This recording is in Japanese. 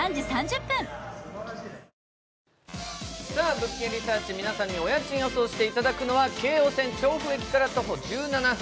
「物件リサーチ」皆さんにお家賃予想していただくのは、京王線・調布駅から徒歩１７分。